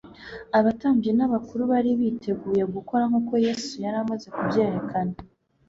abatambyi n'abakuru bari biteguye gukora nk'uko Yesu yari amaze kubyerekana: